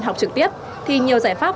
học trực tiếp thì nhiều giải pháp